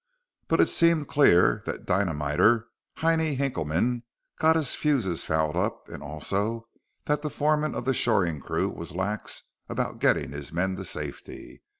But it seemed clear that dynamiter Heinie Hinkleman got his fuses fouled up and also that the foreman of the shoring crew was lax about getting his men to safety.